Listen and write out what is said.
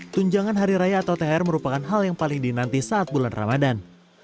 tunjangan hari raya atau thr merupakan hal yang paling dinanti saat bulan ramadan